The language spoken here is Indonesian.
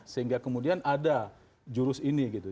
sehingga kemudian ada jurus ini gitu